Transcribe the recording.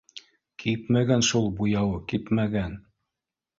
— Кипмәгән шул буяуы, кипмәгән